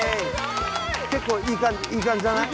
結構いい感じじゃない？